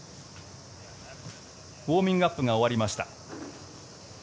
ウォーミングアップが終わりました。